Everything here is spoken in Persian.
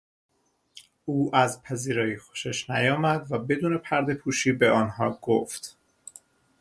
او از پذیرایی خوشش نیامد و بدون پرده پوشی به آنها گفت.